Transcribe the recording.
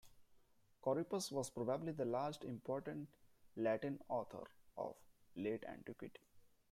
Corippus was probably the last important Latin author of Late Antiquity.